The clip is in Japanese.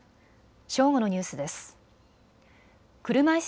正午のニュースです。